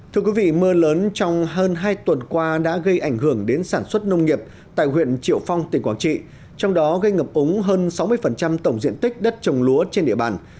thưa quý vị mưa lớn trong hơn hai tuần qua đã gây ảnh hưởng đến sản xuất nông nghiệp tại huyện triệu phong tỉnh quảng trị trong đó gây ngập ống hơn sáu mươi tổng diện tích đất trồng lúa trên địa bàn